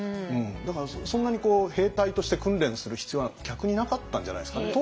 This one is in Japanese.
だからそんなに兵隊として訓練する必要は逆になかったんじゃないですかね。